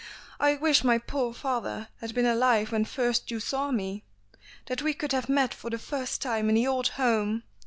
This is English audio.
"I wish my poor father had been alive when first you saw me. That we could have met for the first time in the old home.